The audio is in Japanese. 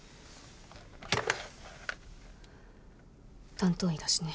担当医だしね。